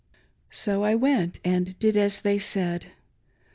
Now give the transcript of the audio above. So I went and did as they said.